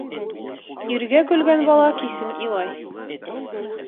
Иргә көлгән бала кисен илай.